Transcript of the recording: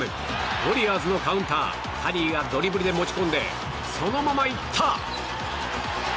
ウォリアーズのカウンターカリーが同点に持ち込んでそのままいった！